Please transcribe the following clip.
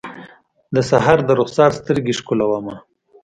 د سحر درخسار سترګې ښکلومه